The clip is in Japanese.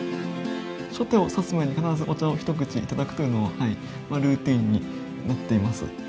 初手を指す前に必ずお茶を一口頂くというのが、ルーティンになっています。